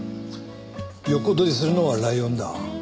横取りするのはライオンだ。